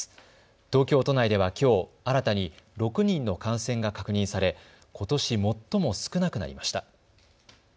東京都内ではきょう、新たに６人の感染が確認され、ことし最も少なくなりました。